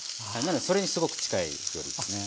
それにすごく近い料理ですね。